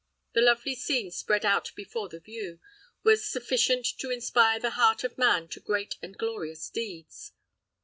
The lovely scene spread out before the view, was sufficient to inspire the heart of man to great and glorious deeds.